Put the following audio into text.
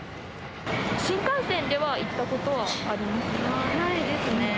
新幹線では行ったことはありないですね。